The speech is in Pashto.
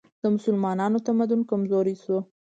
د مسلمانانو تمدن کمزوری شو